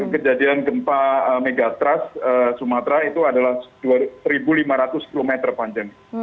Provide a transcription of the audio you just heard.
kejadian gempa megatrust sumatera itu adalah seribu lima ratus km panjang